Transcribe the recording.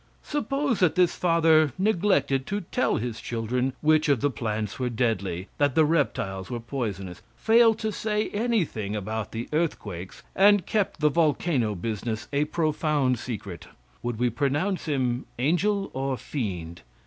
Suppose that this father neglected to tell his children which of the plants were deadly; that the reptiles were poisonous; failed to say anything about the earthquakes, and kept the volcano business a profound secret; would we pronounce him angel or fiend?